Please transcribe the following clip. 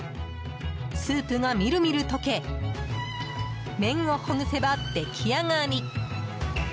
スープがみるみる解け麺をほぐせば、出来上がり。